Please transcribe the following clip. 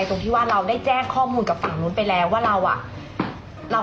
กำลังไปกินข้าวนะ